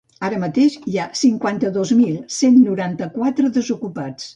Ara mateix, hi ha cinquanta-dos mil cent noranta-quatre desocupats.